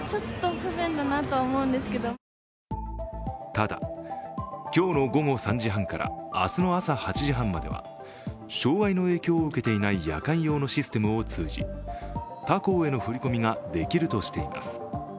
ただ、今日の午後３時半から明日の朝８時半までは障害の影響を受けていない夜間用のシステムを通じ、他行への振り込みができるとしています。